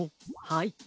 はい。